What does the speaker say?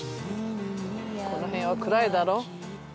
この辺は暗いだろ。